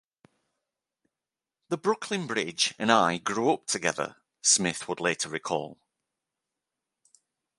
"The Brooklyn Bridge and I grew up together," Smith would later recall.